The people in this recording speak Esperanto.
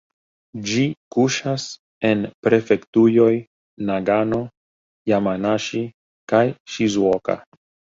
Ĝi kuŝas en prefektujoj Nagano, Jamanaŝi kaj Ŝizuoka.